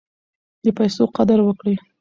د پیسو قدر وکړئ.